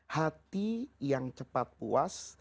hati yang cepat puas